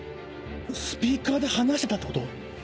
スピーカーで話してたってこと？